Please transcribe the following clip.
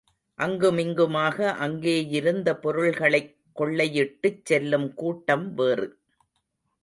அங்குமிங்குமாக, அங்கேயிருந்த பொருள்களைக் கொள்ளையிட்டுச் செல்லும் கூட்டம் வேறு.